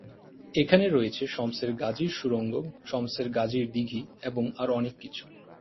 এখানে রয়েছে শমসের গাজীর সুড়ঙ্গ, শমসের গাজীর দীঘি এবং আরও অনেক কিছু।